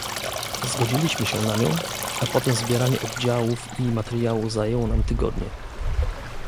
Zgodziliśmy się na nią, a potem zbieranie oddziałów i materiału zajęło nam tygodnie